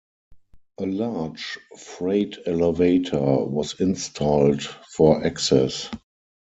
A large freight elevator was installed for access.